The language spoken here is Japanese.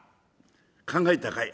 「考えたかい」。